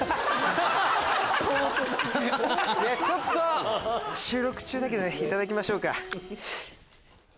ちょっと収録中だけどいただきましょうか。